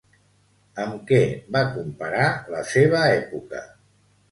Amb què va comparar la seva època?